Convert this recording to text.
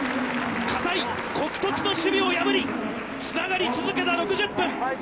かたい守備を破りつながり続けた６０分。